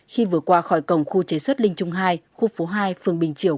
khi vừa qua khỏi cổng khu chế xuất linh trung hai khu phố hai phường bình triều